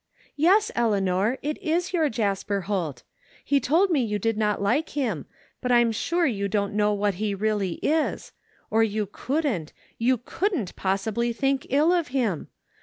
" Yes, Eleanor, it is your Jasper Holt. He told me you did not like him, but I'm sure you don't know what he really is— or you couldn't, you couldn't possibly think ill of him.